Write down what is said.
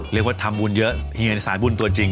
เรียกว่าทำบุญเยอะเฮียนสายบุญตัวจริง